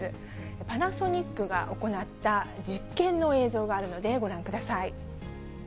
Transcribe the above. パナソニックが行った実験の映像があるので、ご覧ください。